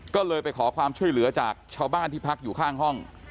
ก็เลยไปขอความช่วยเหลือจากชาวบ้านที่พักอยู่ข้างห้อง